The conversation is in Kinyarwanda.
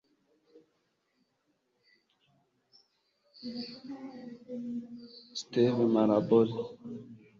steve maraboli